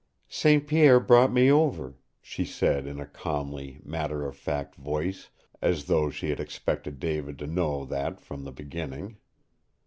"St. Pierre brought me over," she said in a calmly matter of fact voice, as though she had expected David to know that from the beginning.